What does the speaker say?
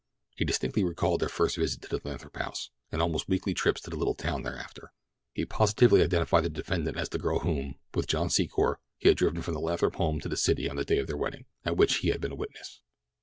He distinctly recalled their first visit to the Lathrop home, and almost weekly trips to the little town thereafter. He positively identified the defendant as the girl whom, with John Secor, he had driven from the Lathrop home to the city on the day of the wedding, at which he had been a witness.